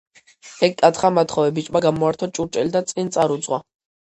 – ეგ კათხა მათხოვე… – ბიჭმა გამოართვა ჭურჭელი და წინ წარუძღვა.